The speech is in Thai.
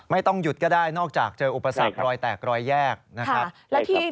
ไม่ต้องหยุดก็ได้นอกจากเจออุปสรรครอยแตกรอยแยกนะครับ